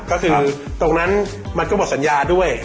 ก็คือตรงนั้นมันก็หมดสัญญาด้วย